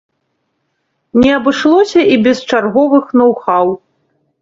Не абышлося і без чарговых ноў-хаў.